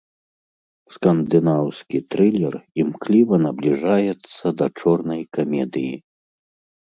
Скандынаўскі трылер імкліва набліжаецца да чорнай камедыі.